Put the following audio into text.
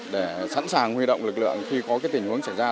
để sẵn sàng huy động lực lượng khi có tình huống xảy ra